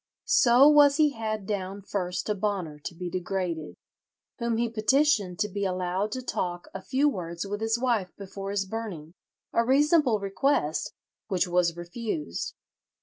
"So was he had down first to Bonner to be degraded, whom he petitioned to be allowed to talk a few words with his wife before his burning"—a reasonable request, which was refused.